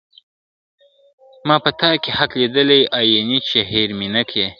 ما په تا کي حق لیدلی آیینې چي هېر مي نه کې !.